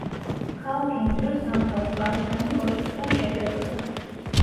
ქალაქი იმ დროს სამთავრო კარისგან და კოშკისგან შედგებოდა.